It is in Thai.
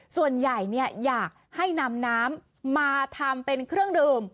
ส่วนใหญ่อยากให้นำน้ำมาทำเป็นเครื่องดื่ม